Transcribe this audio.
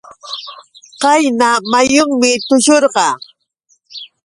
Qayna muyunmi tushurqaa.